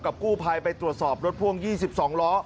กู้ภัยไปตรวจสอบรถพ่วง๒๒ล้อ